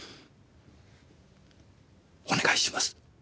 お願いします。